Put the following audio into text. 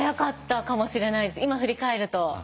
今振り返ると。